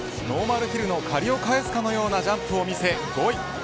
ノーマルヒルの借りを返すかのようなジャンプを見せ５位。